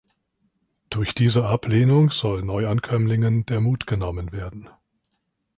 Durch diese Ablehnung soll Neuankömmlingen der Mut genommen werden.